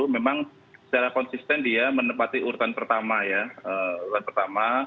memang secara konsisten dia menempati urutan pertama ya